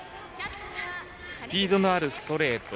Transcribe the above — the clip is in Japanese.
スピードのあるストレート。